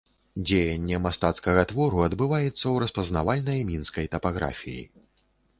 Дзеянне мастацкага твору адбываецца ў распазнавальнай мінскай тапаграфіі.